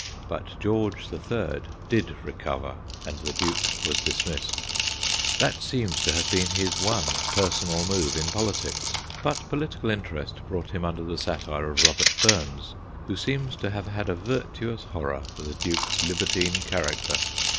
But George the Third did recover, and the Duke was dismissed. That seems to have been his one personal move in politics, but political interest brought him under the satire of Robert Burns, who seems to have had a virtuous horror for the Duke's libertine character.